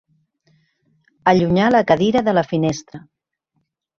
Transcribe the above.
Allunyar la cadira de la finestra.